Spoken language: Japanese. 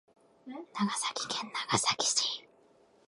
長崎県長崎市